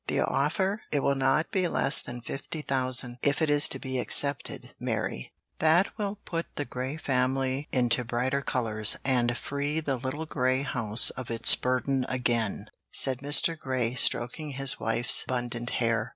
"The offer? It will not be less than fifty thousand, if it is to be accepted, Mary; that will put the Grey family into brighter colors, and free the little grey house of its burden again," said Mr. Grey, stroking his wife's abundant hair.